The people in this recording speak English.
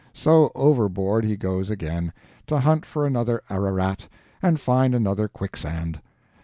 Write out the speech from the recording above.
So overboard he goes again, to hunt for another Ararat and find another quicksand.